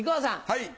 はい。